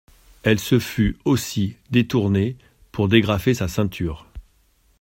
Elle se fût aussi détournée pour dégrafer sa ceinture.